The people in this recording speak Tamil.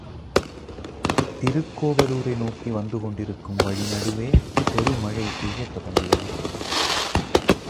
திருக்கோவலூரை நோக்கி வந்துகொண்டிருக்கும் வழி நடுவே பெருமழை பெய்யத் தொடங்கியது.